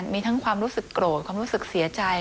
มีทั้งความรู้สึกโกรธความรู้สึกเสียใจ